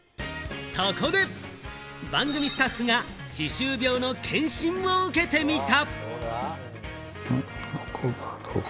そこで、番組スタッフが歯周病の検診を受けてみた。